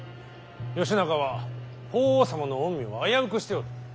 義仲は法皇様の御身を危うくしておる。